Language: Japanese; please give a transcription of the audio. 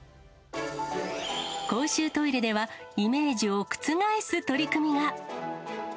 公衆トイレでは、イメージを覆す取り組みが。